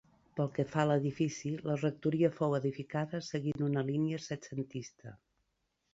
Pel que fa a l'edifici, la rectoria fou edificada seguint una línia setcentista.